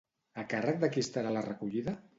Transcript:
A càrrec de qui estarà la recollida?